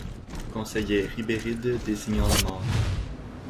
Conseillait Ribéride, désignant le mort.